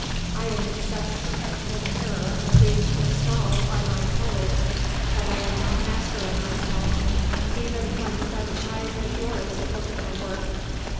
I am in such perpetual terror of being forestalled by my colleagues, that I am not master of myself, even when such eyes as yours look at my work.